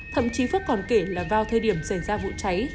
thậm chí phước còn kể là vào thời điểm xảy ra vụ cháy